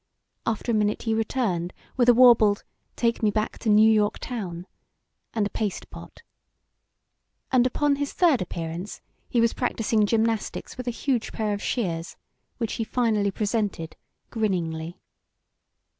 After a minute he returned with a warbled "Take Me Back to New York Town" and a paste pot. And upon his third appearance he was practising gymnastics with a huge pair of shears, which he finally presented, grinningly.